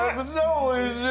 おいしい！